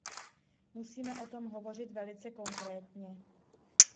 Musíme o tom hovořit velice konkrétně.